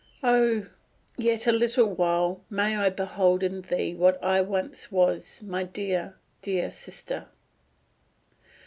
Oh! yet a little while May I behold in thee what I was once, My dear, dear Sister!